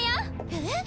えっ？